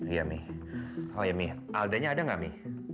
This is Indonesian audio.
iya mi oh iya mi aldanya ada gak mi